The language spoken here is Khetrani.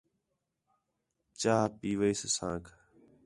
چاہ پِیؤیس اسانک